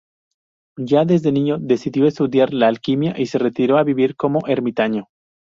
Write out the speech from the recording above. Ya desde niño decidió estudiar la alquimia y se retiró a vivir como ermitaño.